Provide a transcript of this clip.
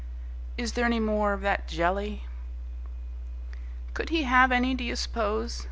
"Is there any more of that jelly?" "Could he have any, do you suppose?"